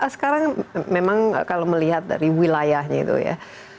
sekarang memang kalau melihat dari wilayahnya itu ya